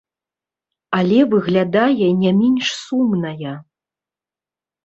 Але, выглядае, не менш сумная.